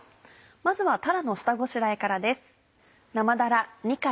まずはたらの下ごしらえからです。